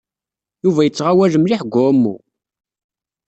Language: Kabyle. Yuba yettɣawal mliḥ deg uɛumu.